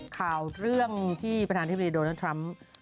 ข่าวเรื่องที่ประธานที่บริเวณโดรนัททรัมป์